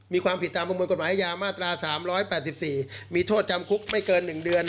มีความผิดฐานประมวลกฎหมายยามาตราสามร้อยแปดสิบสี่มีโทษจำคุกไม่เกินหนึ่งเดือน